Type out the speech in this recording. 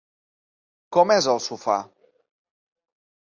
Com és el sofà?